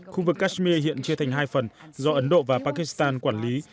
khu vực kashmir hiện chia thành hai phần do ấn độ và pakistan quản lý